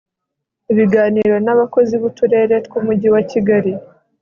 ibiganiro n abakozi b uturere tw umujyi wa kigali